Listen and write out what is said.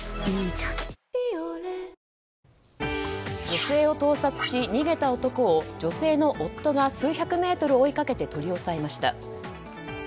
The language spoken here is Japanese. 女性を盗撮し、逃げた男を女性の夫が数百メートル追いかけて取り押さえました。